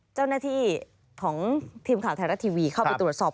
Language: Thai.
เจ้าหน้าที่ของทีมข่าวไทยรัฐทีวีเข้าไปตรวจสอบ